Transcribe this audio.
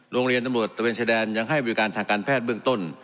โรงเรียนตำรวจตะเวนชายแดนยังให้บริการทางการแพทย์เบื้องต้น